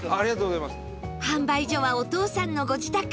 販売所はお父さんのご自宅